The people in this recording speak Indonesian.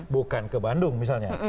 bukan ke bandung misalnya